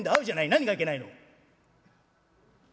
何がいけないの？」。